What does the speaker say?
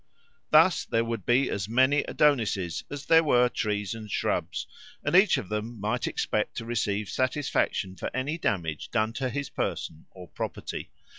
Thus there would be as many Adonises as there were trees and shrubs, and each of them might expect to receive satisfaction for any damage done to his person or property.